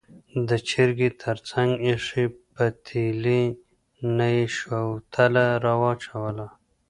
د چرګۍ تر څنګ ایښې پتیلې نه یې شوتله راواچوله.